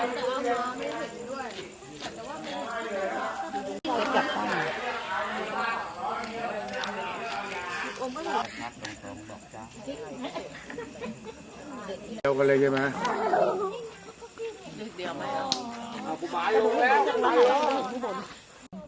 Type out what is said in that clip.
เดี๋ยวกันเลยใช่ไหม